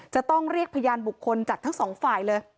จะต้องเรียกพยานบุคคลจากทั้งสองฝ่ายเลย